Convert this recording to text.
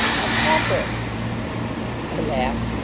"A pauper." I laughed.